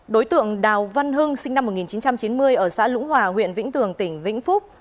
đối tượng đào văn hưng sinh năm một nghìn chín trăm chín mươi ở xã lũng hòa huyện vĩnh tường tỉnh vĩnh phúc